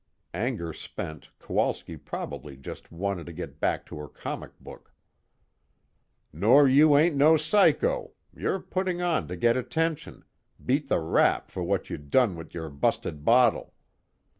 Anger spent, Kowalski probably just wanted to get back to her comic book. "Nor you ain't no psycho, you're putting on to get attention, beat the rap for what you done wit' your busted bottle.